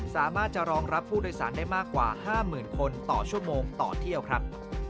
สามารถจะรองรับผู้โดยสารได้มากกว่า๕๐๐๐คนต่อชั่วโมงต่อเที่ยวครับ